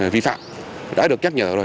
vi phạm đã được nhắc nhở rồi